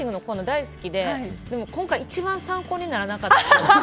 大好きででも今回一番参考にならなかった。